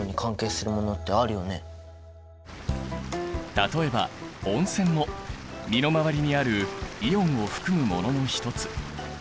例えば温泉も身の回りにあるイオンを含むものの一つ。